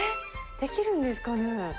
できるんですかね？